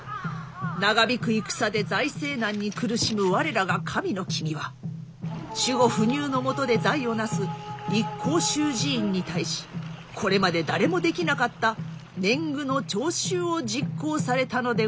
長引く戦で財政難に苦しむ我らが神の君は守護不入のもとで財を成す一向宗寺院に対しこれまで誰もできなかった年貢の徴収を実行されたのでございます！